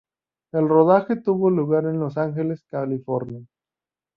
El rodaje tuvo lugar en Los Ángeles, California.